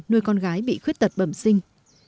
nuôi con gái bị khuyết tật bậm sinh